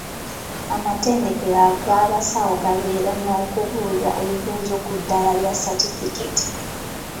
Amatendekero g'abasawo gabeera n'okubuuza ebibuuzo ku ddaala lya satifikeeti.